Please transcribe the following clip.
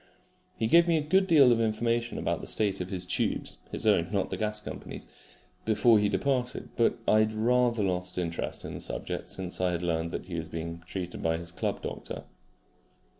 He gave me a good deal of information about the state of his tubes (his own, not the gas company's) before he departed; but I had rather lost interest in the subject since I had learned that he was being treated by his club doctor.